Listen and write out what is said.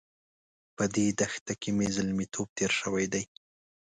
په دې دښته کې مې زلميتوب تېر شوی دی.